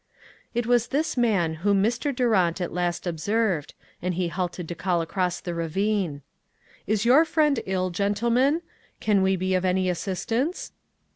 It was this man whom Mr. Durant at last observed, and he halted to call across the ravine :" Is your friend ill, gentlemen ? Can we be of any assistance